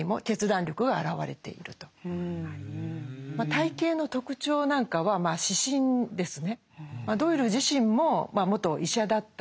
体形の特徴なんかはまあ視診ですね。